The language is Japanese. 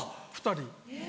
２人。